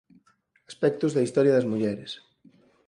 Aspectos da historia das mulleres".